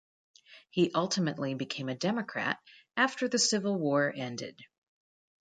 He ultimately became a Democrat after the Civil War ended.